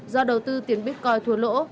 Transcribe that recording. do đầu tư tiền bitcoin thua lỗ